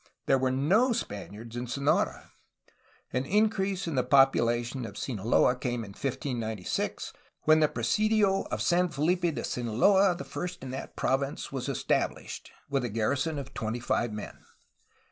There were no Spaniards in Sonora. An in crease in the population of Sinaloa came in 1596, when the presidio of San Felipe de Sinaloa, the first in that province, was established, with a garrison of twenty five men.